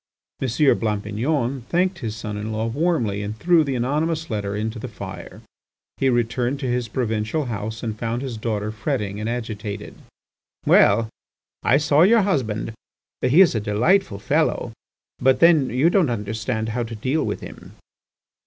M. Blampignon thanked his son in law warmly and threw the anonymous letter into the fire. He returned to his provincial house and found his daughter fretting and agitated. "Well! I saw your husband. He is a delightful fellow. But then, you don't understand how to deal with him."